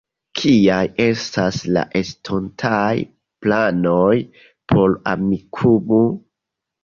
Kiaj estas la estontaj planoj por Amikumu?